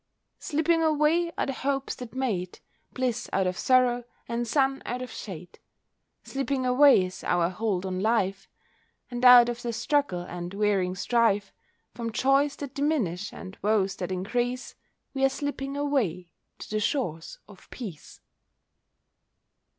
Slipping away are the hopes that made Bliss out of sorrow, and sun out of shade, Slipping away is our hold on life; And out of the struggle and wearing strife, From joys that diminish, and woes that increase, We are slipping away to the shores of Peace.